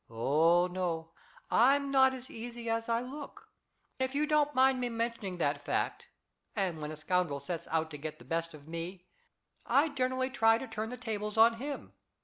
Oh, no, I'm not as easy as I look, if you don't mind me mentioning that fact; and when a scoundrel sets out to get the best of me, I generally try to turn the tables on him.